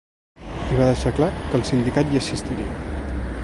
I va deixar clar que el sindicat hi assistiria.